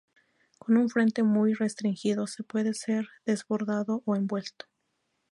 Con un frente muy restringido se puede ser desbordado o envuelto.